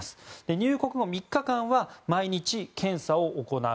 入国後３日間は毎日検査を行う。